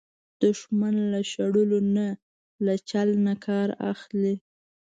دښمن له شړلو نه، له چل نه کار اخلي